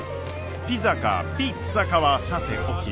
ピザかピッツァかはさておき。